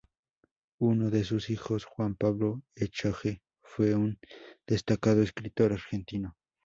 Uno de sus hijos, Juan Pablo Echagüe, fue un destacado escritor argentino.